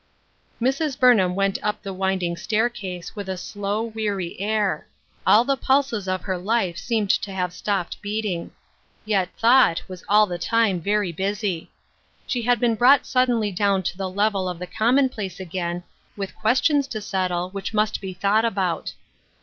Mrs. Burnham went up the winding staircase with a slow, weary air ; all the pulses of her life ON THE MOUNT AND IN THE VALLEY. \()J seemed to have stopped beating. Yet thought was all the time very busy. She had been brought suddenly down to the level of the commonplace again, with questions to settle which must be thought about.